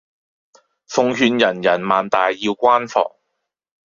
奉勸人人萬大要關防